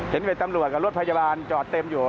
เห็นเป็นตำรวจกับรถพยาบาลจอดเต็มอยู่